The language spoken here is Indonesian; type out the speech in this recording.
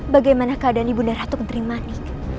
bagaimana keadaan ibu ratu kenterimani